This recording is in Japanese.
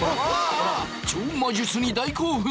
超魔術に大興奮！